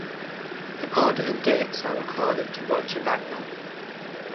The order and dates are according to Roger Bagnall.